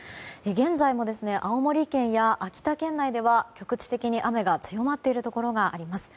現在も青森県や秋田県内では局地的に雨が強まっているところがあります。